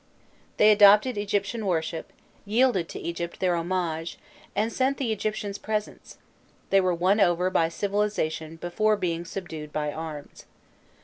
They adopted Egyptian worship, yielded to Egypt their homage, and sent the Egyptians presents: they were won over by civilization before being subdued by arms.